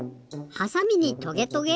はさみにトゲトゲ？